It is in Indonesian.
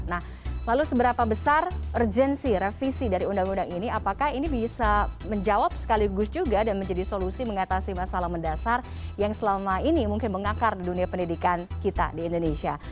nah lalu seberapa besar urgensi revisi dari undang undang ini apakah ini bisa menjawab sekaligus juga dan menjadi solusi mengatasi masalah mendasar yang selama ini mungkin mengakar di dunia pendidikan kita di indonesia